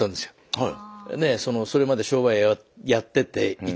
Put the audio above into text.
はい。